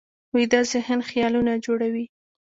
ویده ذهن خیالونه جوړوي